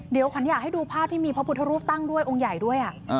เดี๋ยวขวัญอยากให้ดูภาพที่มีพระพุทธรูปตั้งด้วยองค์ใหญ่ด้วย